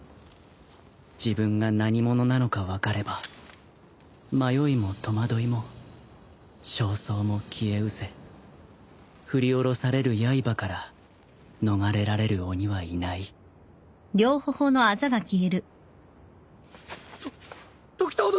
自分が何者なのか分かれば迷いも戸惑いも焦燥も消えうせ振り下ろされるやいばから逃れられる鬼はいないと時透殿？